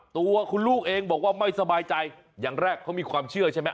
ตัวคุณลูกเองบอกว่าไม่สบายใจอย่างแรกเขามีความเชื่อใช่ไหม